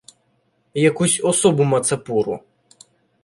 Якусь особу мацапуру